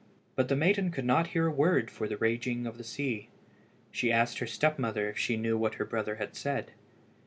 But the maiden could not hear a word for the raging of the sea. She asked her step mother if she knew what her brother had said.